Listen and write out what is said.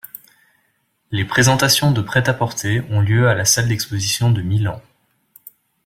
Les présentations de prêt-à-porter ont lieu à la salle d'exposition de Milan.